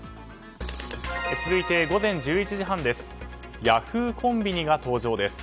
続いて午前１１時半です。